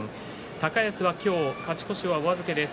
高安は今日勝ち越しはお預けです。